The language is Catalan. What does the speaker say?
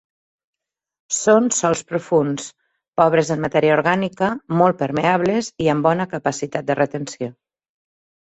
Són sòls profunds, pobres en matèria orgànica, molt permeables i amb bona capacitat de retenció.